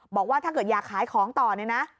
บอกว่าถ้าเกิดอยากขายของต่อเนี่ยนะ